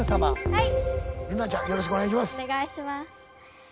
はい。